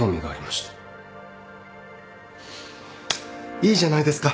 いいじゃないですか。